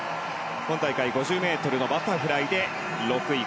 今大会、５０ｍのバタフライで６位。